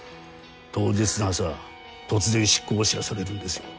当日の朝突然執行を知らされるんですよ。